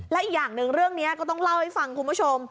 และอีกอย่างหนึ่งเรื่องนี้ก็ต้องเล่าให้ฟังคุณผู้ชม